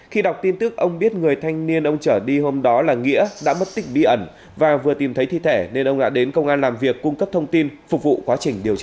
khi đọc tin tức ông biết người thanh niên ông trở đi hôm đó là nghĩa đã mất tích bí ẩn và vừa tìm thấy thi thể nên ông đã đến công an làm việc cung cấp thông tin phục vụ quá trình điều tra